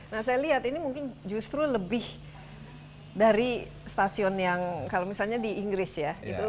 nah saya lihat ini mungkin justru lebih dari stasiun yang kalau misalnya di inggris ya